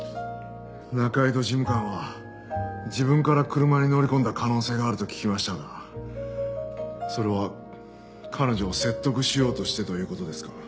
仲井戸事務官は自分から車に乗り込んだ可能性があると聞きましたがそれは彼女を説得しようとしてという事ですか？